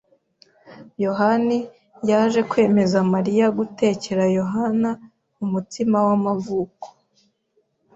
[S] yohani yaje kwemeza Mariya gutekera Yohana umutsima w'amavuko.